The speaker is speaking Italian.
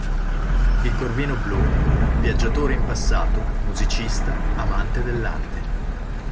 Il corvino blu, viaggiatore in passato, musicista, amante dell'arte.